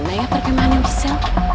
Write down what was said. di mana ya perkembangan yang bisa